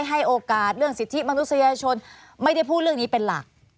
ให้โอกาสเรื่องสิทธิมนุษยชนไม่ได้พูดเรื่องนี้เป็นหลัก